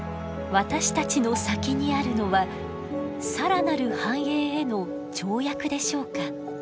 私たちの先にあるのは更なる繁栄への跳躍でしょうか？